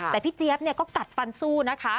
แต่พี่เจี๊ยบก็กัดฟันสู้นะคะ